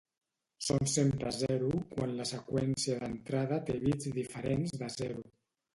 Són sempre zero quan la seqüència d'entrada té bits diferents de zero